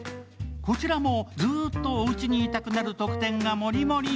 こちらもずっとおうちに居たくなる特典がもりもり。